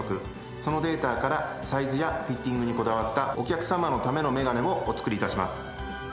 そのデータからサイズやフィッティングにこだわったお客様のための眼鏡をお作り致します。